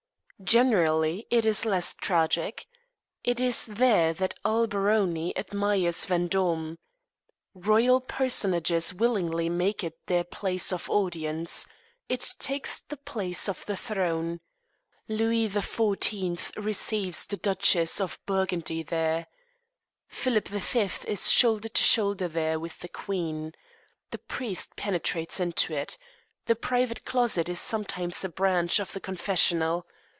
Generally it is less tragic. It is there that Alberoni admires Vendôme. Royal personages willingly make it their place of audience. It takes the place of the throne. Louis XIV. receives the Duchess of Burgundy there. Philip V. is shoulder to shoulder there with the queen. The priest penetrates into it. The private closet is sometimes a branch of the confessional.